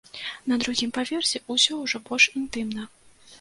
На другім паверсе ўсё ўжо больш інтымна.